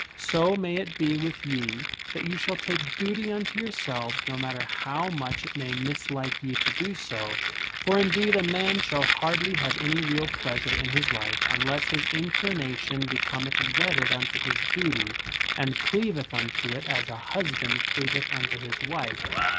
/ So may it be with ye that you shall take duty unto yourselves no mat ter how much it may mislike ye to do so. For indeed a man shall hardly have any real pleasure in his life unless his inclination becometh wedded unto his duty and cleaveth unto it as a husband cleaveth unto his wife.